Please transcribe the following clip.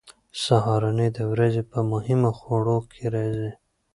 سهارنۍ د ورځې په مهمو خوړو کې راځي.